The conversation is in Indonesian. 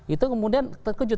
itu kemudian terkejut